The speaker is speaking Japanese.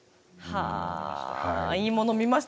はいいもの見ました。